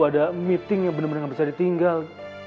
ada meeting yang bener bener gak bisa ditinggal